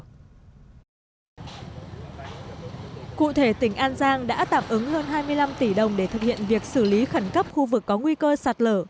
cụ thể tỉnh an giang đã tạm ứng hơn hai mươi năm tỷ đồng để thực hiện việc xử lý khẩn cấp khu vực có nguy cơ sạt lở